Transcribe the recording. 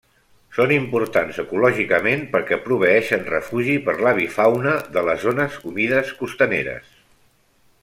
Són importants ecològicament perquè proveeixen refugi per l'avifauna de les zones humides costaneres.